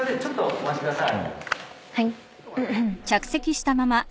お待ちください。